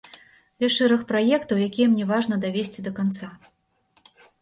Ёсць шэраг праектаў, якія мне важна давесці да канца.